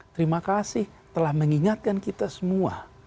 terima kasih telah mengingatkan kita semua